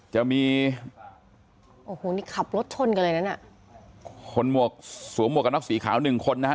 จะมีโอ้โหนี่ขับรถชนกันเลยนั้นอ่ะคนหมวกสวมหมวกกันน็อกสีขาวหนึ่งคนนะฮะ